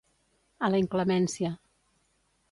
A la inclemència.